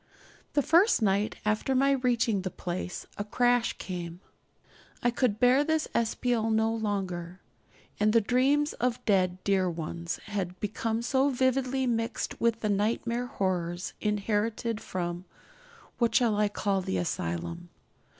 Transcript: The first night after my reaching the place a crash came. I could bear this espial no longer; and the dreams of dead dear ones had become so vividly mixed with the nightmare horrors inherited from (what shall I call the asylum?)